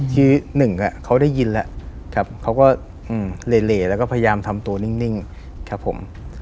คือหนึ่งเขาได้ยินแล้วครับเขาก็เหลแล้วก็พยายามทำตัวนิ่งครับผม